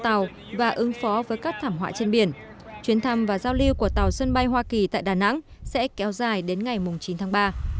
trong khuôn khổ chuyến thăm và giao lưu tại đà nẵng sẽ kéo dài đến ngày chín tháng ba